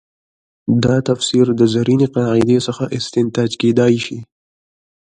دا تفسیر د زرینې قاعدې څخه استنتاج کېدای شي.